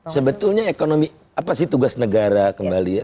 sebetulnya ekonomi apa sih tugas negara kembali ya